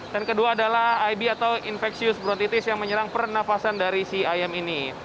dan kedua adalah ib atau infectious brontitis yang menyerang pernafasan dari si ayam ini